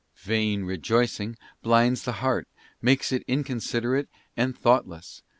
{ Vain rejoicing blinds the heart, makes it inconsiderate and thoughtless, but * S.